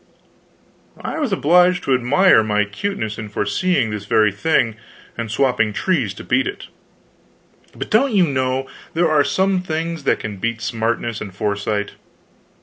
I was obliged to admire my cuteness in foreseeing this very thing and swapping trees to beat it. But, don't you know, there are some things that can beat smartness and foresight?